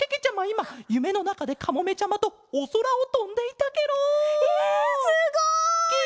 いまゆめのなかでカモメちゃまとおそらをとんでいたケロ！えすごい！ケ！